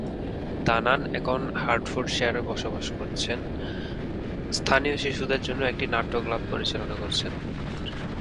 দানান এখন হার্টফোর্ডশায়ারে বসবাস করছেন, স্থানীয় শিশুদের জন্য একটি নাট্য ক্লাব পরিচালনা করছেন।